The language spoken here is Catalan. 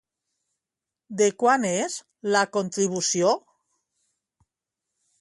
De quant és la contribució?